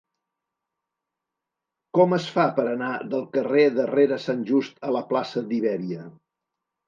Com es fa per anar del carrer de Rere Sant Just a la plaça d'Ibèria?